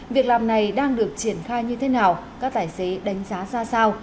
việc làm này đang được triển khai như thế nào các tài xế đánh giá ra sao